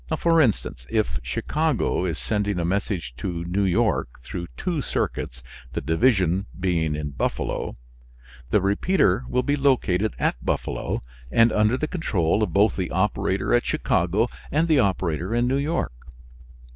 For instance, if Chicago is sending a message to New York through two circuits, the division being in Buffalo, the repeater will be located at Buffalo and under the control of both the operator at Chicago and the operator in New York.